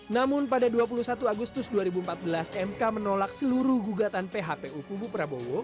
namun pada dua puluh satu agustus dua ribu empat belas mk menolak seluruh gugatan phpu kubu prabowo